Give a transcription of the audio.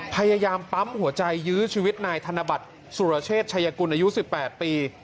พยายามปั๊มหัวใจยื้อชีวิตนายธนบัตรสุรเชษชายกุลอายุ๑๘ปี